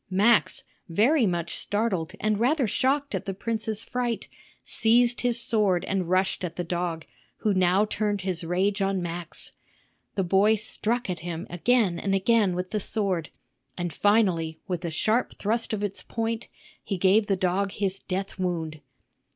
Max, very much startled and rather shocked at the prince's fright, seized his sword and rushed at the dog, who now turned his rage on Max. The boy struck at him again and again with the sword, and finally with a sharp thrust of its point he gave the dog his death wound.